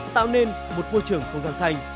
tạo nên một môi trường không gian xanh